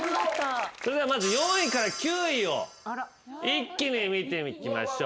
それではまず４位から９位を一気に見ていきましょう。